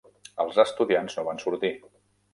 Els estudiants no van sortir.